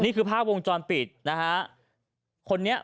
นี่คือภาพวงจรปิดนะฮะ